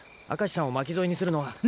明石さんを巻き添えにするのは。